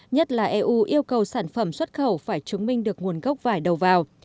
nhất là eu yêu cầu sản phẩm xuất khẩu phải chứng minh được nguồn gốc vải đầu vào